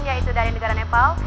yaitu dari negara nepal